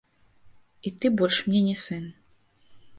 І ты больш мне не сын.